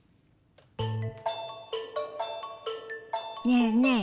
ねえねえ